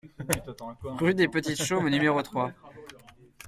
Rue des Petites Chaumes au numéro trois